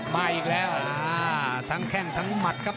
มาอีกแล้วทั้งแข้งทั้งหมัดครับ